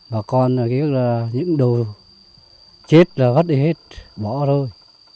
bà con là những đồ chết là vất đi hết bỏ thôi